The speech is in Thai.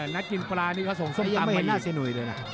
นัดกินปลานี้เขาส่งส้มตำมาอีก